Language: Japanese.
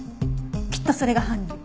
きっとそれが犯人。